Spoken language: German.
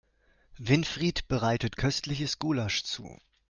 Winfried bereitet köstliches Gulasch zu.